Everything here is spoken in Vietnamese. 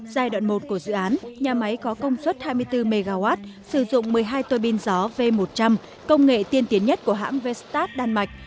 giai đoạn một của dự án nhà máy có công suất hai mươi bốn mw sử dụng một mươi hai tuôi bin gió v một trăm linh công nghệ tiên tiến nhất của hãng vstat đan mạch